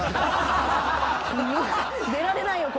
出られないよ